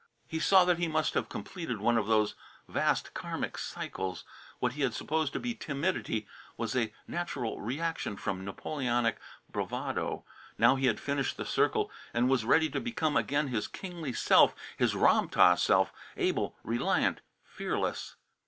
He saw that he must have completed one of those vast Karmic cycles. What he had supposed to be timidity was a natural reaction from Napoleonic bravado. Now he had finished the circle and was ready to become again his kingly self, his Ram tah self able, reliant, fearless.